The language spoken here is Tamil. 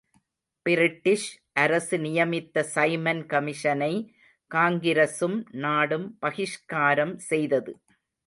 பிரிட்டிஷ் அரசு நியமித்த சைமன் கமிஷனை காங்கிரசும் நாடும் பகிஷ்காரம் செய்தது.